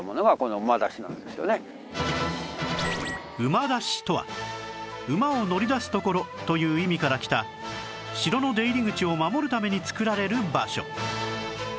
馬出しとは馬を乗り出す所という意味からきた城の出入り口を守るために作られる場所